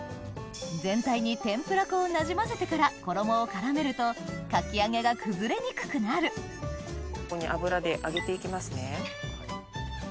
全体に天ぷら粉をなじませてから衣を絡めるとかき揚げが崩れにくくなるここに油で揚げていきますね。